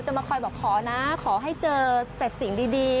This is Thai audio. มาคอยบอกขอนะขอให้เจอแต่สิ่งดี